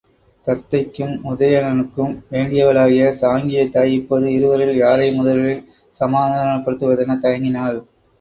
தத்தைக்கும் உதயணனுக்கும் வேண்டியவளாகிய சாங்கியத் தாய் இப்போது இருவரில் யாரை முதலில் சமாதானப்படுத்துவதெனத் தயங்கினாள்.